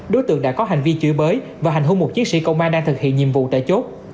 đối tượng đã có hành vi chửi bới và hành hung một chiến sĩ công an đang thực hiện nhiệm vụ tại chốt